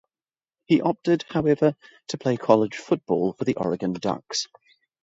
He opted, however, to play college football for the Oregon Ducks.